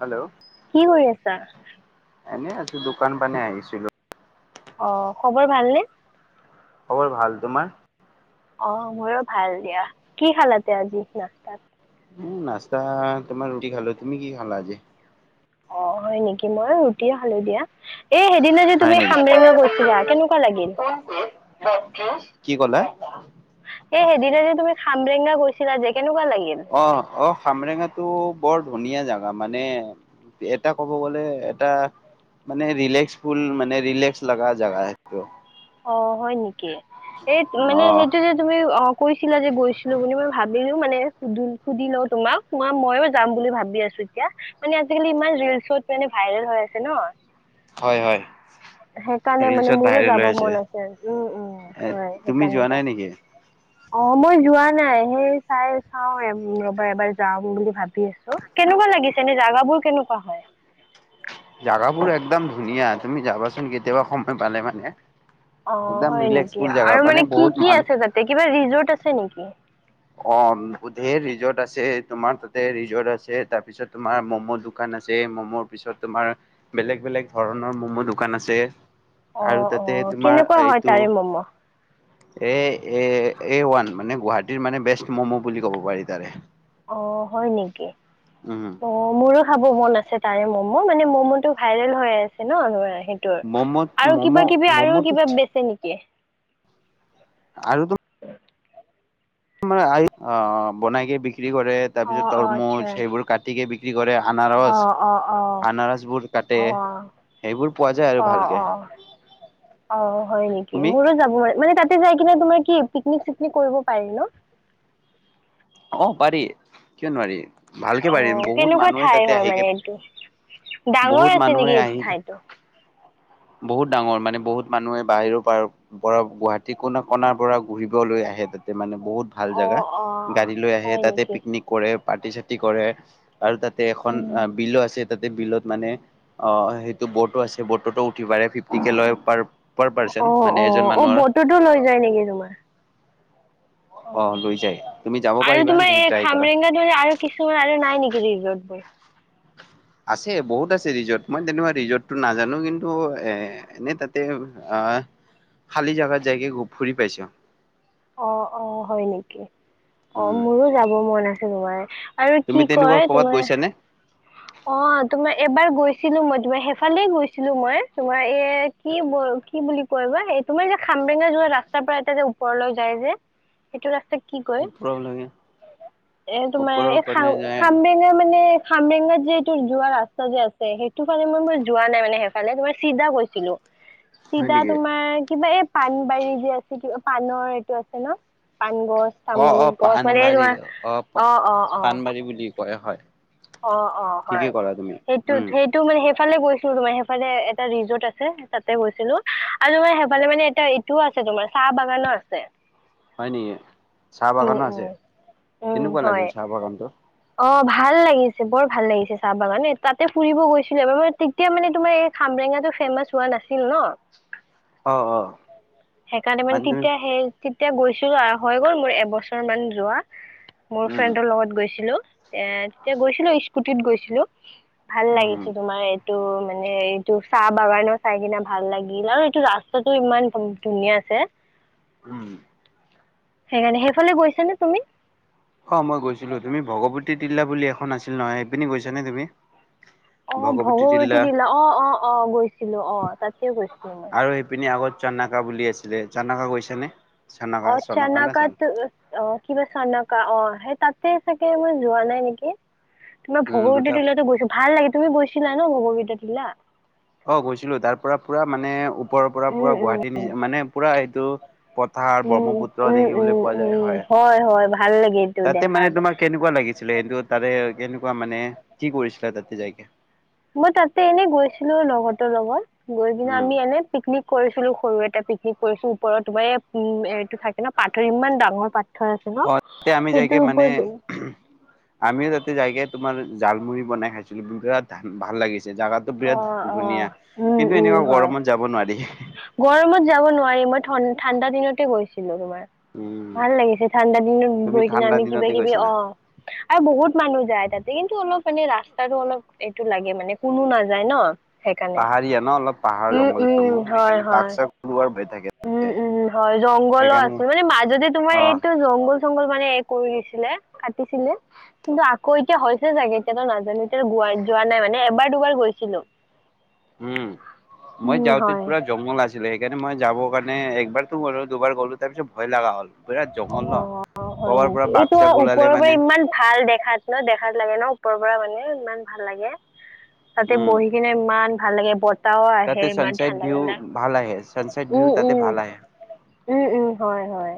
Hello কি কৰি আছা? এনেই আজি দোকান পানে আহিছিলো। অ খবৰ ভালনে? খবৰ ভাল তোমাৰ? অ মোৰো ভাল দিয়া কি খালা তে আজি নস্তাত উম, নাস্তা তোমাৰ ৰুটি খালো তুমি কি খালা আজি? অ হয় নেকি মই ৰুটি খালো দিয়া। এই সেইদিনা যে হয় তুমি নেকি? খামৰেঙা গৈছিলা কেনেকুৱা লাগিল। কি ক'লা? এ সেইদিনা যে তুমি খামৰেঙনা গৈছিলা যে কেনেকুৱা লাগ অ অ খামৰেঙাটো বৰ ধুনীয়া জোগা মানে এটা ক'ব গ'লে এটা, মানে ৰিলেক্স ফুল মানে ৰিলেক্স লাগা জাগা সেইটো অ হয় নেকি? এই মানে অ সেইটো যে তুমি অ কৈছিলা যে গৈছিলো বুলি মই ভাবিলো মানে, সুদুল সুধি লও তোমাক মা মইয়ো যাম বুলি ভাবি আছো এতিয়া মানে আজিকালি ইমান ৰিলচত মানে ভা ভাইৰেল হৈ আছে ন হয় হয় সেইকাৰণে মানে ৰিলচত মোৰো ভাইৰেল যাব ব হৈ মন আছে উম উম এ হয় তুমি সেইকাৰণে যোৱা ত নাই নেকি? অ মই যোৱা নাই সেই চাই চাও ৰবা এবাৰ যাম বুলি ভাবি আছো। কেনেকুৱা লাগিছে নে জাগাবোৰ কেনেকুৱা হয়। জাগাবোৰ একদম ধুনীয়া তুমি যাবাচোন কেতিয়াবা সময় পালে মানে, অ একদম হয় নেকি ৰিলেক্সফুল জাগা আৰু মানে কি বহুত কি মানুহ আছে তাতে কিবা ৰিজৰ্ট আছে নেকি? অ ধেৰ ৰিজৰ্ট আছে তোমাৰ তাতে ৰিজৰ্ট আছে তাৰ পিছত তোমাৰ মম' দোকান আছ ছে ম'ম' পিছত তোমাৰ বেলেগ বেলেগ ধৰণৰ ম'ম' দোকান আছে। অ আৰু অ তাতে তোমাৰ কেনেকুৱা হয় এইটো, তাৰে ম'ম' এ এ এ ওৱান মানে গুৱাহাটীৰ মানে বেষ্ট মমো বুলি ক'ব পাৰি তাৰে, অ হয় নেকি উম অ মোৰো খাব মন আছে তাৰে ম, ম মানে ম'ম ভাইৰেল হৈ আছে নোৱাই সেইটোৰ ম'ম'ত আৰু কিবা ম'ম' কিবি আৰু ম'ম'টোত কিবা বেচে নেকি, আৰু তুম [inaudible] তোমাৰ অ বনাইকে বিক্ৰী কৰে তাৰ অ পিছত অ আচ্ছা তৰমুজ সেইবোৰ কাটিকে বিক্ৰী কৰে, অ আনাৰস অ অ আনাৰসবোৰ কাটে, অ সেইবোৰ পোৱা যায় আৰু অ ভালকে, অ অ হয় নেকি তুমি মোৰো যাব মাৰে মানে তাত, যাই কিনে তোমাৰ কি পিকনিক চিকনিক কৰিব পাৰি ন, অ', পাৰি, কিয় নোৱাৰি? ভালকে অ পাৰিম। বহুত কেনেকুৱা মানুহে ঠাই তাতে হয় মানে আহিকে এইটো? ডাঙৰ বহুত আছে নেকি মানুহে এই আহি ঠাইতো? বহুত ডাঙৰ মানে বহুত মানুহে বাহিৰৰ পৰা পৰা গুৱাহাটী কনা কণাৰ পৰা ঘূৰিবলৈ আহে। আহে তাতে মানে, বহুত ভাল অ জেগা, অ গাড়ী লৈ আহে হয় তাতে নেকি? পিকনিক কৰে পাৰ্টি- চাৰ্টি কৰে। আৰু তাতে এখন উম। অ', বিলো আছে তাতে বিলত মানে অ', সেইটো বটো আছে বটতো উ ফিফটিকে লয়, পাৰ অ', মানে এজন অ', অ' মানুহৰ বততো লৈ যায় নেকি? তোমাৰ অ', লৈ যায়। যাব আৰু পাৰিবা তোমাৰ যদি এই ট্ৰাই কৰা খামৰেংগা ধৰি আৰু কিছুমান আৰু নাই নেকি ৰিজৰ্ট বোৰ। আছে, বহুত আছে। ৰিজৰ্ট মই তেনেকুৱা ৰিজৰ্টটো নাজানো। কিন্তু এ এনে তাতে খালী জাগাত যাইকে ফুৰি পাইছো। অ', অ', হয় নেকি অ, উম মোৰো যাব মন আছে তোমাৰ আৰু তুমি কি তেনেকুৱা কয়? কৰ'বাত তোমাৰ গৈছানে অ', তোমাৰ এবাৰ গৈছ। ছিলো মই তোমাৰ সেইফালে গৈছিলো মই তোমাৰ এই কি- কি বুলি কয় বা তোমাৰ যে কামৰেঙা যোৱা ৰাস্তাৰ পৰা এটা যে ওপৰলৈ যায়, যে সেইটো ৰাস্তাত কি কয়? ওপৰৰ লাগে এ! ওপৰৰ তোমাৰ এই পিনে খাম যায় খামৰেঙা মানে সামৰেঙগাত যে এই তোৰ যোৱা ৰাস্তা যে আছে সেইটো ফালে মই মোৰ যোৱা নাই মানে সেইফালে তোমাৰ চিধা গৈছিলো। হয় চিধা নেকি তোমাৰ কিবা এই পানবাৰী যে আছে কিবা পানৰ এইটো আছে ন। পাণ গছ অ তামোল অ গছ মানে পাণবাৰী তোমাৰ অ', অ', অ', হয়, হয়। অ', অ', ঠিকেই হয় কৰা তুমি সেইটো উম - সেইটো মানে সেই সেফালে গৈছিলো, তোমাৰ সেইফালে এটা ৰিজৰ্ট আছে তাতে গৈছিলো আৰু তোমাৰ সেইফালে মানে এটা ইটোও আছে। তোমাৰ চাহ বাগানো আছে। হয় নেকি? চাহ উম বাগানো আছে উম উম কেনেকুৱা লাগিল? হয় চাহ বাগানটো অ', ভাল লাগিছে। বৰ ভাল লাগিছে, চাহ বাগান নে তাতে ফুৰিব গৈছিলো আৰু ম তেতিয়া মানে তোমাৰ এই খামৰেঙাটো ফেমাচ হোৱা না নাছিল ন। অ', অ'। সেইকাৰণে মানে তেতিয়া, সেই তেতিয়া গৈছিলো। হৈ গ'ল মোৰ এবছৰ মান যোৱা। মোৰ উম ফ্ৰেণ্ডৰ লগত গৈছিলো। এ! তেতিয়া গৈছিলো স্কুটিত গৈছিলো। ভাল উম লাগিছে তোমাৰ এটো মানে এইটো চাহ বাগানৰ চাই কিনে ভাল লাগিল আৰু এইটো ৰাস্তাটো ইমান ধুনীয়া আছে। উ'ম। সেইকাৰণে সেইফালে গৈছানে তুমি? অ', মই গৈছিলো তুমি ভগৱতী তিলা বুলি এখন আছিল নহয়, এইপিনে গৈছা নে তুমি? [unintelligible] অ, ভগৱতী তিলা অ', অ', অ', গৈছিলো অ তাতে গৈছিলো মই। আৰু সেইপিনি আগত চানকা বুলি আছিলে। চানকা গৈছ নে? অ', চানকাত অ', কিবা চনকা অ'। সেই তাতে চাগে মই যোৱা নাই নেকি তোমাৰ উম দুটা ভগৱতী তিলতো গৈছো ভাল লাগি তুমি গৈছিলা ন? ভগবত তিলা- অ, গৈছিলো তাৰ পৰা পুৰা মানে ওপৰৰ পৰা পুৰা উম উম গুৱাহাটী নি মানে পুৰা এইটো পথাৰ উম ব্ৰহ্মপুত্ৰ উম দেখিবলৈ উম পোৱা যায়, উম হয়। হয় ভাল লাগে এইটো তাতে মানে দেখাত তোমাক কেনেকুৱা লাগিছে। কিন্তু তাৰে কেনেকুৱা মানে কি কৰিছিলা? তাতে যাইকে। মই তাতে এনে গৈছিলো লগৰ তোৰ লগত গৈ পিনে উম আমি এনে পিকনিক কৰিছিলো। সৰু এটা পিকনিক কৰিছো, ওপৰত তোমাৰ এই উ'ম এইটো থাকে ন পাতৰি ইমান ডাঙৰ পাথৰ আছে ন অ, তাতে আমি যায় কে সেইটোৰ মানে ওপৰত আমিও তাতে যায়কে তোমাৰ জালমুৰি বনাই খাইছিলো বিৰাট ধান ভাল লাগিছিল। জোগাতটো অ বিৰাট অ ধুনীয়া উম কিন্তু উম এনেকুৱা গৰমত যাব নোৱাৰি। ত যাব নোৱাৰি মই ঠাণ্ডা দিনতে গৈছিলো তোমাৰ। উম, ভাল লাগিছে ঠাণ্ডা দিনত তুমি গৈ কিনে ঠাণ্ডা আমি কিবা দিনতে কিবি গৈছিলা? অ আৰু বহুত মানুহ যায় তাত কিন্তু অলপ মানে ৰাস্তাতটো অলপ এইটো লাগে মানে কোনো নাযায় ন। সেইকাৰণে পাহাৰীয়া ন অলপ পাহাৰ উম জংঘল চল সেইকাৰণে বাক্সাক আৰু হৈ থাকে। তাতে। উম-উম হয় জংঘলো সেইকাৰণে আছে মানে মাজতে তোমাৰ অ এইটো জংঘল চ মানে এ কৰি দিছিলে কাটিছিলে কিন্তু আকৌ এতিয়া হৈছে জাগে এতিয়াতো নাজানো। যোৱা নাই মানে এবাৰ দুবাৰ গৈছিলো। উম, মই উম যাওঁতেত হয় পুৰা জংঘল আছিলে। সেইকাৰণে মই যাবৰ কাৰণে একবাৰতো গ'লো দুবাৰ গ'লো তাৰপিছত ভয় লগা হ'ল বিৰাট জংঘল ন। অ হয় কৰবাৰ পৰা নেকি বাঘ এইটো চাঘ আৰু ওলালে ওপৰৰ পৰা মানে ইমান ভাল দেখাত ন দেখাত লাগে ন। পৰা মানে ইমান ভাল লাগে তাতে উম বহি কিনে ইমান ভাল লাগে ব তাও তাতে আহে ইমান চানচাইড ঠাণ্ডা ভিউ ঠাণ্ডা, ভাল আহে চানচাইড ভিউ উম তাতে উম। ভাল আহে উম উম হয় হয়।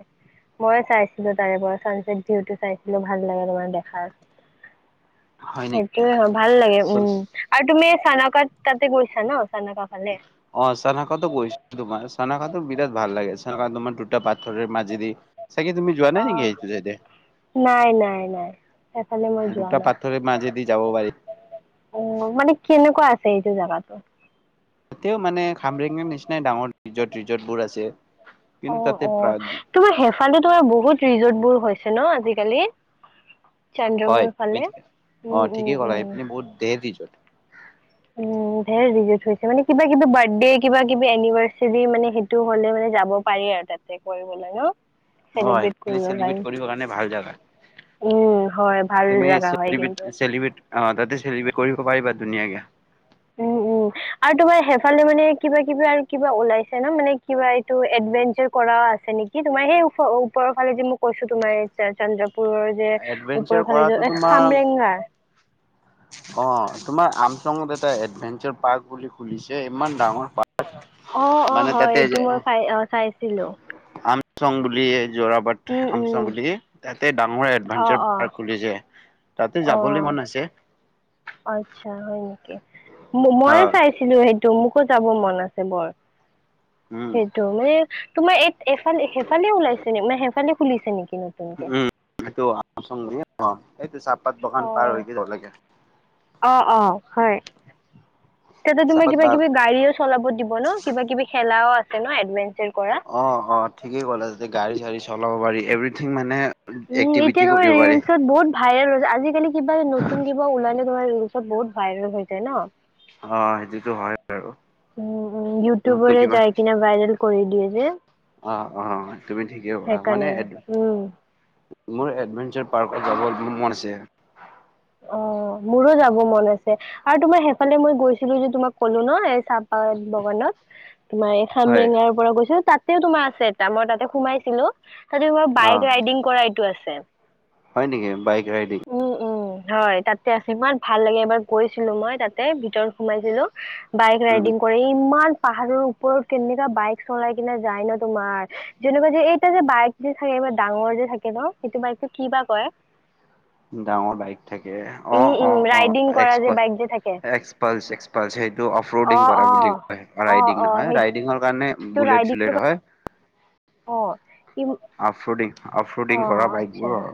মই চাইছিলো তাৰে পৰা চানচেট ভিউটো চাইছিলো ভাল লাগে তোমাৰ দেখাত। হয় নেকি? সেইটোয়ে হয় ভাল লাগে উম আৰু তুমি চানকাত তাতে গৈছা ন? চানকা ফালে অ চানকাটো গৈছো তোমাৰ চানকাটো বিৰাট ভাল লাগে চ তোমাৰ দুটা পা মাজেদি চাগে তুমি যোৱা নাই নেকি এইতু চাইডে। নাই, নাই, নাই এফালে মই যোৱা দুটা নাই। পাথৰে মাজেদি যাব পাৰি উ মানে কেনেকুৱা আছে এইটো জেগাতো? এতিয়াও মানে খামৰেঙৰ নিচিনাই ডাঙৰ ডাঙৰ ৰিজৰ্ট ৰিজৰ্ট বোৰ আছে। অ কিন্তু তাতে অ তোমাৰ সেফালে তোমাৰ বহুত ৰিজৰ্ট বোৰ হৈ হৈছে ন আজিকালি হয় চন্দ্ৰপুৰ তুমি ফালে ঠিক অ উম ঠিকেই উম ক'লা উম। সেইপিনে বহুত ধেৰ ৰিজৰ্ট উম ঢেৰ ৰিজৰ্ট হৈছে মানে কিবা কিবি বাৰ্থডে কিবা কিবি এনিভাৰ্চাৰী মানে সেইটো হ'লে মানে যাব পাৰি। আৰু তাতে কৰিব লাগে। অ, চেলিব্ৰেট সেইফালে চেলিব্ৰেট কৰিব কাৰণে ভাল জাগা। উম হয় ভাল তুমি জাগা হয় কিন্তু চেলিব্ৰেত চেলিব্ৰেটি অ, তাতে চেলিব্ৰেট কৰিব পাৰিবা ধুনীয়াকে। উ উ আৰু তোমাৰ সেইফালে মানে কিবা কিবি আৰু কিবা ওলাইছে ন মানে কিবা এইটো এভেঞ্চাৰ কৰা। আছে নেকি তোমাৰ সেই ওপৰৰ ফালে যে মই কৈছো তোমাৰ চন্দ্ৰ ওপৰৰ যে এডভেঞ্চাৰ ওপৰৰ ফালে কৰাটো যে তোমাৰ খামৰেংগা। অ, তোমাৰ আমচঙত এটা এডভেঞ্চাৰ পাৰ্ক বুলি খুলিছে ইমান ডাঙৰ। পাৰ্ক অ অ মানে হয় তাতে এইটো মই চাই অহ চাইছিলো। আমচং বুলি জোৰাবাট উম আমচং উম বুলি তাতে ডাঙৰ অ এডভেঞ্চাৰ অ পাৰ্ক খুলিছে তাতে অ যাবলৈ মন আছে। আচ্ছা হয় নেকি মই হয়, চাইছিলো সেইটো মোক তো যাব মন আছে বৰ। উম, সেইটো মানে তোমাৰ ই এফালে সেইফালে ওলাইছে নে মানে সেইফালে খুলিছে নেকি? নতুনকে উম [unintelligible] এইটো চাপ অহ অহ অ হয়। তাতে তোমাৰ চাহপাত কিবা বাগ কিবি গাড়ীও চলাব দিব ন কিবা কিবি খেলাও আছে ন এডভেঞ্চাৰ। কৰা অ', অ, ঠিকেই ক'লে যদি গাড়ী চাড়ী চলাব পাৰি এভ্ৰিথিং মানে উম এতিয়া এক্টিভিটি তোমাৰ কৰিব পাৰি, ৰিলচত বহুত ভাইৰেল। আজিকালি কিবা নতুন কিবা ওলালে ধৰা ৰিলচত বহুত ভাইৰেল হৈ যায় ন'। অ', সেইটোতো হয় বাৰু উম উম, নতুন ইউটুবাৰে কিবা যায় কিনে ভাইৰেল কৰি দিয়ে। যে অ, অ, তুমি ঠিকেই ভবা মানে সেইকাৰণে উম মোৰ এডভেঞ্চাৰ পাৰ্কত যাবলৈ মোৰ মন আছে। অ, মোৰো যাব মন আছে আৰু তোমাৰ সেইফালে মই গৈছিলো যে তোমাক কলো ন চাহপাত বাগানত, তোমাৰ এই হয়, খামৰেঙাৰ পৰা গৈছো তাত ও তোমাৰ আছে এটা মই তাতে সোমাইছিলো তাতে তোমাৰ অ', বাইক ৰাইডিং কৰা এইটো আছে। হয় নেকি বাইক ৰাইডিং। উম উম হয়, তাতে আছে ইমান ভাল লাগে এবাৰ গৈছিলো মই তাতে ভিতৰত সোমাইছিলো বাইক ৰাইডিং ইমান পাহাৰৰ ওপৰত কেনেককা বাইক চলাই কিনে যায় ন তোমাৰ যেনেকুৱা যে এইটা যে বাইক যে থাকে ডাঙৰ যে থাকে ন সেইটো বাইকটো কি বাা কৰে ডাঙৰ বাইক থাকে অ অ উম অ ৰাইডিং কৰা যে বাইক যে থাকে এক্সপ [unintelligible] সেইটো অফ অ ৰোডিং কৰা অ বুলি কয় অ ৰাইডিং অ নহয় সেইটো ৰাইডিঙৰ কাৰণে বুলেট ৰাইডিং চুলেট হয়। অ'। ইম আফোডিং অ আফোডিং কৰা বাইক আচ্ছা বোৰ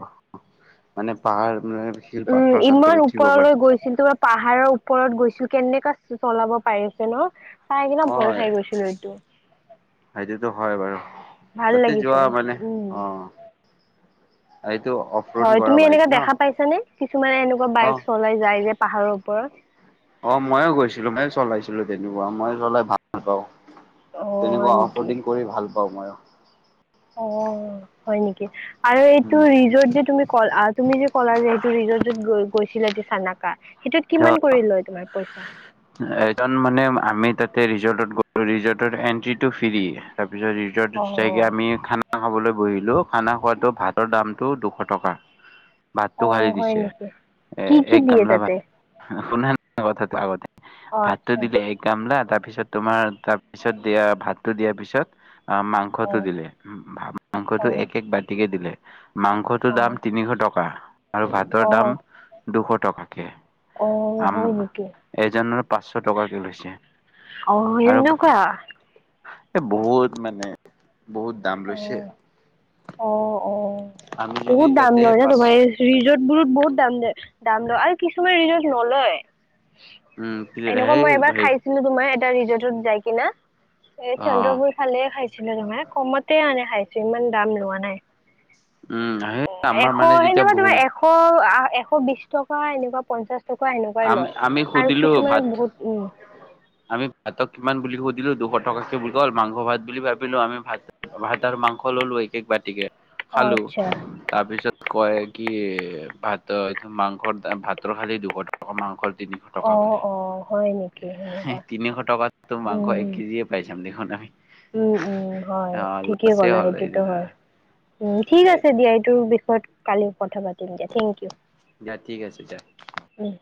মানে পাহাৰ মানে শিল উম, পাথৰ চাথৰ ইমান উঠিব পাৰি ওপৰলৈ গৈছিল তোৰ পাহাৰৰ ওপৰত গৈছিল। কেনেকা চলাব পাৰিছে ন চাই কিনা অ ভয় খাই গৈছিলো এইটো। সেইটোতো হয় বাৰু ভাল তাতে লাগিছে যোৱা মানে উম অ', এইটো অফৰোড হয়, কৰা তুমি বাইক এনেকা ন দেখা পাইছানে কিছুমানে এনেকুৱা অ বাইক চলাই যায় যে পাহাৰৰ ওপৰত। অ, ময়ো গৈছিলো ময়ো চলাইছিলো তেনেকুৱা মই চলাই ভাল পাওঁ। অ তেনেকুৱা হয় নেকি আউটডিং কৰি ভাল পাও মই অ'। অ', হয় নেকি? আৰু এইটো ৰিজৰ্ট যে তুমি কল তুমি যে [unintelligible] ৰিজৰ্টত গ গৈছিলে যে চানাকা সেইটোত অ কিমান কৰি লয় তোমাৰ পইচা এজন মানে আমি তাতে ৰিজৰ্টত গ ৰিজৰ্টত এন্ট্ৰিটো ফ্ৰি তাত তাৰপিছত অ ৰিজৰ্টত চাইকৈ আমি খানা খাবলৈ বহিলোঁ খানা খোৱাটো ভাতৰ দাম টো দুশ টকা। ভাতটো অ খালি হয় দিছে নেকি এ কি কি এক দিয়ে গমলা ভাত তাতে শুনা কথাটো আগতে অ ভাতো আচ্ছা দিলে এক গামলা তাৰপিছত তোমাৰ তাৰপিছত দিয়া ভাত টো দিয়াৰ পিছত অ' অ মাংসটো দিলে অ মাংসটো এক এক বাতিকে দিলে মাংসটোৰ অ দাম তিনিশ ট টকা আৰু অ ভাতৰ দাম দুশ টকাকে। অ', আম হয় নেকি? এজনৰ পাঁচশ টকাকে লৈছে। অ আৰু সেনেকুৱা এ বহুত মানে বহুত দাম লৈছে। অ অ', আমি যদি বহুত দাম তাতে লয় ন পাঁচ তোমাৰ এই ৰিজৰ্ট বোৰত বহুত দাম লয়। দাম লয়। আৰু কিছুমান ৰিজৰ্ট নলয় উম এনেকুৱা সেই মই এবাৰ খাইছিলো তোমাৰ ৰিজৰ্টত যাই কিনা এই অ চন্দ্ৰপুৰ ফালে খাইছিলো তোমাৰ কমত আনে খাইছো ইমান দাম লোৱা নাই। উম সেই আমাৰ এশ মানে তেতিয়া সেনেকুৱা ভুল তোমাৰ এশ, এশ বিশ টকা এনেকুৱা পঞ্চাশ টকা সেনেকুৱাই আমি লয়। আমি আৰু সুধিলো কিছুমানত ভাত বহুত উম আমি ভাতক কিমান বুলি সুধিলো দিলো দুশ টকাকে বুলি ক'ল মাংস ভাত বুলি ভাবিলো আমি ভাত ভাত আৰু মাংস ললো একক বাতিকে অ', খালো আচ্ছা তাৰপিছত কয় কি ভাত এইটো মাংসৰ ভাতৰ খালি দুশ টকা মাংস তিনিশ টকা অ', বুলি, অ', হয় নেকি সেনেকুৱা। তিনিশ টকাততো মাংস এক উম, কেজিয়ে পাই যাম দেখোন আমি। উম উম হয় অ ঠিকেই লছে ক'লা হ'ল সেইটোতো হয় উম ঠিক এই আছে দিয়া এইটোৰ বিষয়ত কালি কথা পাতিম এতিয়াথেংক ইউ দিয়া ঠিক আছে দিয়া। উম